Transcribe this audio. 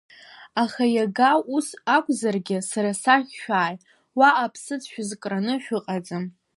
Аха иага ус акәзаргьы сара сахь шәааи, уаҟа аԥсыӡ шәызкраны шәыҟаӡам.